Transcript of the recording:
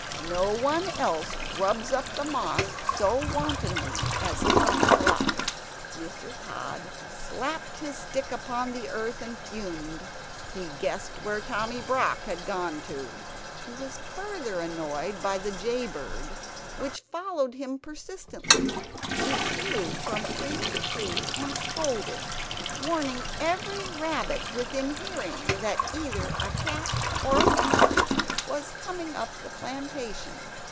No one else grubs up the moss so wantonly as Tommy Brock. Mr. Tod slapped his stick upon the earth and fumed; he guessed where Tommy Brock had gone to. He was further annoyed by the jay bird which followed him persistently. It flew from tree to tree and scolded, warning every rabbit within hearing that either a cat or a fox was coming up the plantation.